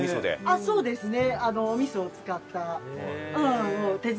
あっそうですね。